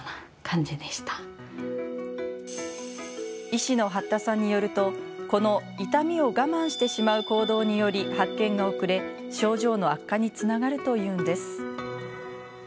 医師の八田さんによると、この痛みを我慢してしまう行動により発見が遅れ症状の悪化につながるといいます。